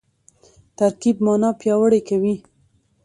ترکیب مانا پیاوړې کوي.